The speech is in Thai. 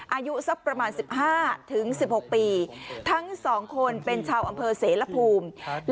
อายุสักประมาณ๑๕๑๖ปีทั้งสองคนเป็นชาวอำเภอเสรภูมิ